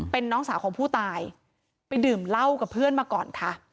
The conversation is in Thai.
เป็นน้องสาวของผู้ตายไปดื่มเหล้ากับเพื่อนมาก่อนค่ะ